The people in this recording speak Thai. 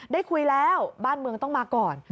ได้คุยแล้วบ้านเมืองต้องมาก่อน